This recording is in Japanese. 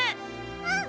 うん！